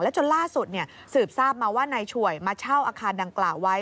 จนล่าสุดสืบทราบมาว่านายฉวยมาเช่าอาคารดังกล่าวไว้